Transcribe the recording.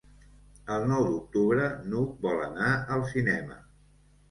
El nou d'octubre n'Hug vol anar al cinema.